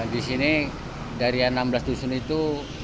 di sini dari enam belas dusun itu